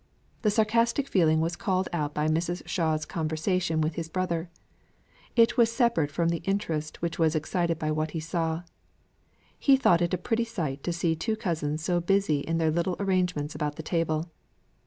The sarcastic feeling was called out by Mrs. Shaw's conversation with his brother; it was separate from the interest which was excited by what he saw. He thought it a pretty sight to see the two cousins so busy in their little arrangements about the table.